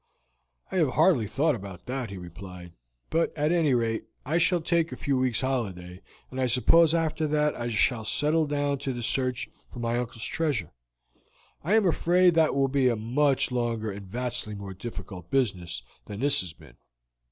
"I have hardly thought about that," he replied; "but, at any rate, I shall take a few weeks' holiday, and I suppose after that I shall settle down to the search for my uncle's treasure. I am afraid that will be a much longer and a vastly more difficult business than this has been.